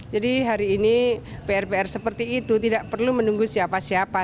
jadi hari ini pr pr seperti itu tidak perlu menunggu siapa siapa